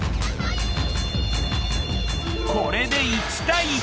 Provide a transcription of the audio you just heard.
これで１対１。